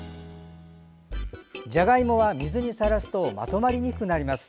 じゃがいもは水にさらすとまとまりにくくなります。